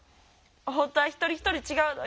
本当は一人一人違うのに。